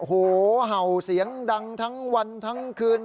โอ้โหเห่าเสียงดังทั้งวันทั้งคืน